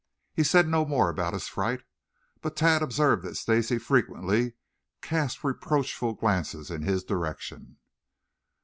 He said no more about his fright, but Tad observed that Stacy frequently cast reproachful glances in his direction.